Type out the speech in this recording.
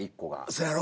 そやろ？